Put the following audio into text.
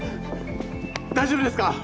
大丈夫ですか？